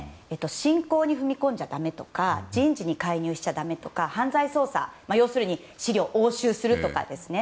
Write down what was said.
信仰に踏み込んじゃだめとか人事に介入しちゃだめとか犯罪捜査、要するに資料を押収するとかですね。